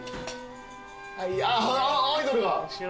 あっアイドルが。